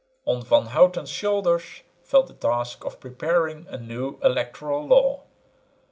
On Van Houten's shoulders fell the task of preparing a new electoral law.